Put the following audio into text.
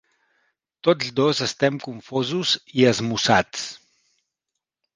Tots dos estem confosos i esmussats.